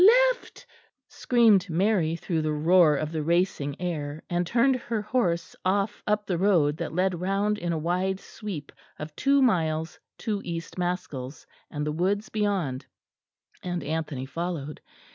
"Left!" screamed Mary through the roar of the racing air, and turned her horse off up the road that led round in a wide sweep of two miles to East Maskells and the woods beyond, and Anthony followed.